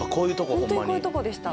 ホントにこういうとこでした。